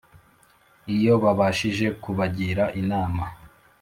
iyo babashije kubagira inama